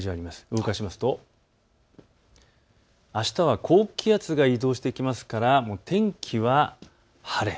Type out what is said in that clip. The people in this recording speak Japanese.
動かしますとあしたは高気圧が移動してきますから天気は晴れ。